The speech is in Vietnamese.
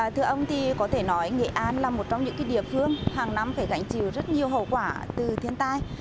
thưa ông thì có thể nói nghệ an là một trong những địa phương hàng năm phải gánh chịu rất nhiều hậu quả từ thiên tai